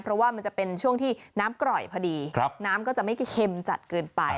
เพราะว่ามันจะเป็นช่วงที่น้ำกร่อยพอดีน้ำก็จะไม่เค็มจัดเกินไป